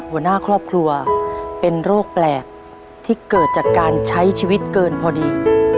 หัวหน้าครอบครัวเป็นโรคแปลกที่เกิดจากการใช้ชีวิตเกินพอดี